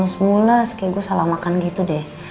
mulus mulus kayak gua salah makan gitu deh